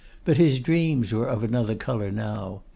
But his dreams were of another colour now.